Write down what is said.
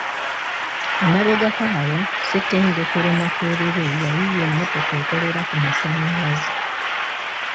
Emabegako awo, Ssettendero Makerere yayiiya emmotoka ekolera ku masannyalaze.